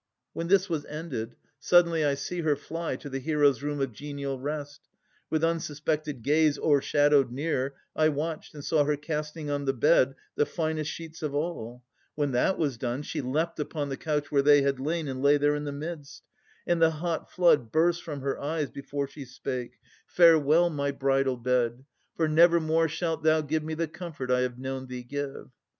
When this was ended, suddenly I see her Fly to the hero's room of genial rest. With unsuspected gaze o'ershadowed near, I watched, and saw her casting on the bed The finest sheets of all. When that was done, She leapt upon the couch where they had lain And sat there in the midst. And the hot flood Burst from her eyes before she spake: 'Farewell, My bridal bed, for never more shalt thou Give me the comfort I have known thee give.'